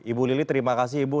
ibu lili terima kasih ibu